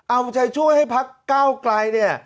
เอาใจช่วยให้ภาคก้าวกลายเนี่ย